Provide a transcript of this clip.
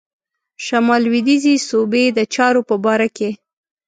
شمال لوېدیځي صوبې د چارو په باره کې.